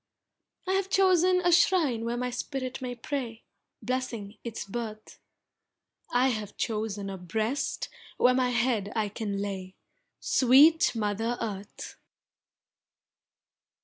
I have chosen a shrine where my spirit may pray, Blessing its birth. I have chosen a breast where my head I can lay, Sweet Mother Earth!